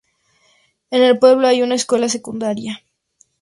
En el pueblo hay una escuela secundaria.